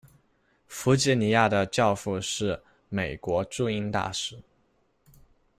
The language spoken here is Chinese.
弗吉尼亚的教父是美国驻英大使。